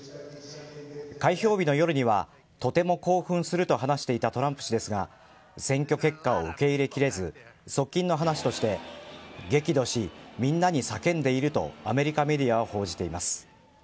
開票日の夜にはとても興奮すると話していたトランプ氏ですが選挙結果を受け入れきれず側近の話として激怒し、みんなに叫んでいるとアメリカメディアは報じています。